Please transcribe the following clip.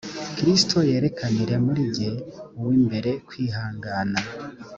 kristo yerekanire muri jye uw’imbere kwihangana